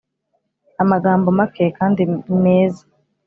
amagambo make kandi meza